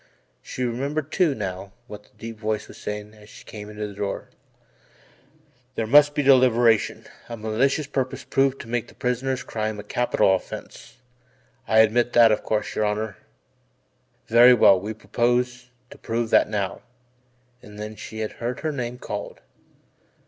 She remembered, too, now, what the deep voice was saying as she came into the door: "There must be deliberation, a malicious purpose proven to make the prisoner's crime a capital offence I admit that, of course, your Honour. Very well, we propose to prove that now," and then she had heard her name called.